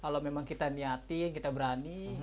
kalau memang kita niatin kita berani